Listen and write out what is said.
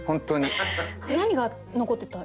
何が残ってた？